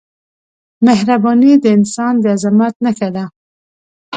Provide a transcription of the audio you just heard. مهرباني د انسان د عظمت نښه ده.